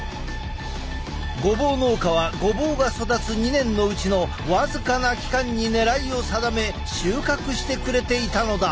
ごぼう農家はごぼうが育つ２年のうちの僅かな期間に狙いを定め収穫してくれていたのだ。